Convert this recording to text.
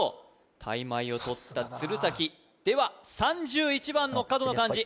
タイマイをとった鶴崎では３１番の角の漢字